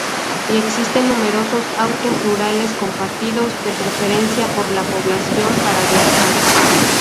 Y existen numerosos autos rurales compartidos, de preferencia por la población para viajar.